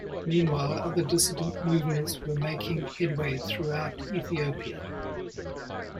Meanwhile, other dissident movements were making headway throughout Ethiopia.